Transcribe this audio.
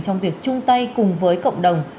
trong việc chung tay cùng với cộng đồng